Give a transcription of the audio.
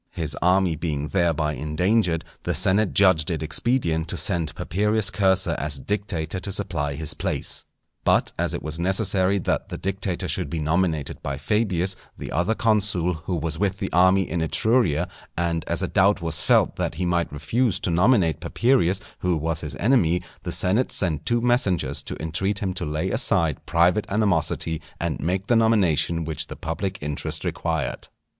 His army being thereby endangered, the senate judged it expedient to send Papirius Cursor as dictator to supply his place. But as it was necessary that the dictator should be nominated by Fabius, the other consul, who was with the army in Etruria, and as a doubt was felt that he might refuse to nominate Papirius, who was his enemy, the senate sent two messengers to entreat him to lay aside private animosity, and make the nomination which the public interest required.